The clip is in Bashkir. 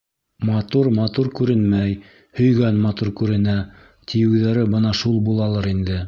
Матур матур күренмәй, һөйгән матур күренә, тиеүҙәре бына шул булалыр инде.